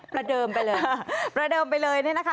ประเดิมไปเลยประเดิมไปเลยเนี่ยนะคะ